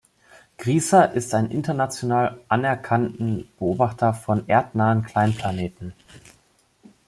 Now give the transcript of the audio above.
Griesser ist ein international anerkannten Beobachter von erdnahen Kleinplaneten.